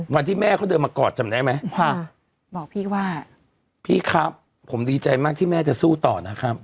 วันที่แม่เขาเดินมากอดจำได้ไหมค่ะบอกพี่ว่าพี่ครับผมดีใจมากที่แม่จะสู้ต่อนะครับ